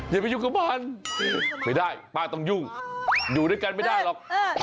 อย่าไปยุ่งกับมันไม่ได้ป้าต้องยุ่งอยู่ด้วยกันไม่ได้หรอก